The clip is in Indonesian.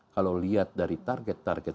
kalau lihat dari target target